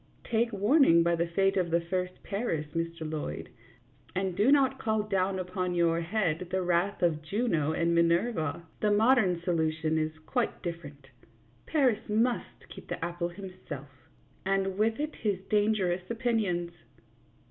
Take warning by the fate of the first Paris, Mr. Lloyd, and do not call down upon your head the wrath of Juno and Minerva. The modern solution is quite different ; Paris must keep the apple himself, and with it his dangerous opinions.